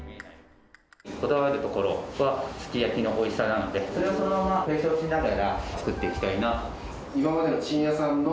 こだわるところはすき焼きのおいしさなので、それをそのまま継承しながら、作っていきたいなと。